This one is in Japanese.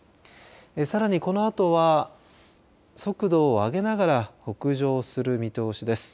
さらにこのあとは速度を上げながら北上する見通しです。